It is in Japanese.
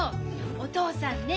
お父さんね